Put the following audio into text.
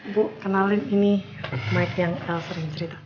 bu kenalin ini mike yang sering cerita